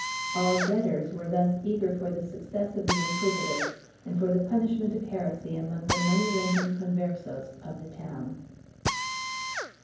All debtors were thus eager for the success of the inquisitors and for the punishment of heresy among the money lending Converses of the town.